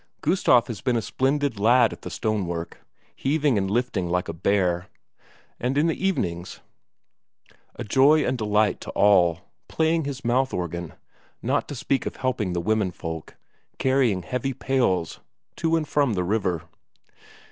Gustaf has been a splendid lad at the stonework, heaving and lifting like a bear; and in the evenings, a joy and delight to all, playing his mouth organ, not to speak of helping the womenfolk, carrying heavy pails to and from the river.